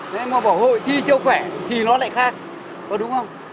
thế mà bảo hội thi cho khỏe thì nó lại khác có đúng không